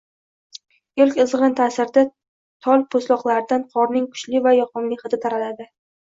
Ilk izgʻirin taʼsirida tol poʻstloqlaridan qorning kuchli va yoqimli hidi taraladi.